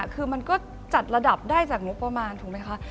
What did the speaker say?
คือมันก็จัดระดับได้จากงบประมาณถูกไหมคะ